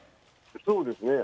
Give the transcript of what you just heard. そうですね。